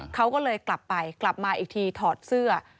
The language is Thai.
เขาก็เลยกลับไปกลับมาอีกทีถอดเสื้อ